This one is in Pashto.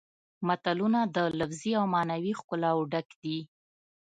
متلونه د لفظي او معنوي ښکلاوو ډک دي